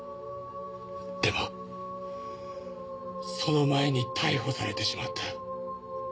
でもその前に逮捕されてしまった。